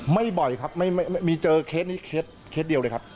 บ่อยครับไม่มีเจอเคสนี้เคสเดียวเลยครับ